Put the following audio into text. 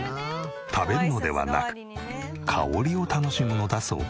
食べるのではなく香りを楽しむのだそう。